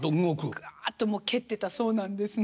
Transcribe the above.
ぐわっともう蹴ってたそうなんですね。